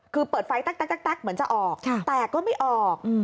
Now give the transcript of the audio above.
คือเปิดไฟแต๊กเหมือนจะออกแต่ก็ไม่ออก